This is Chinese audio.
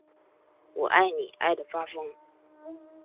我爱你爱的发疯